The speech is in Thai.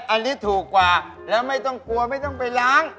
อันนี้ถูกกว่าแล้วไม่ต้องกลัวไม่ต้องไปล้าง